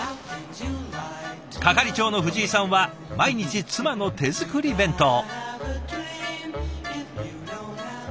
係長の藤井さんは毎日妻の手作り弁当。